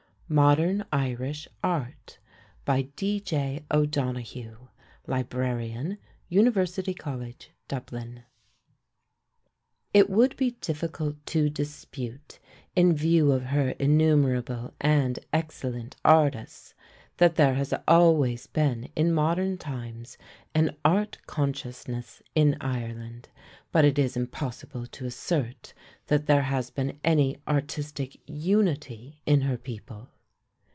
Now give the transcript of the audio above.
MODERN IRISH ART By D.J. O'DONOGHUE, Librarian, University College, Dublin. It would be difficult to dispute, in view of her innumerable and excellent artists, that there has always been in modern times an art consciousness in Ireland, but it is impossible to assert that there has been any artistic unity in her people.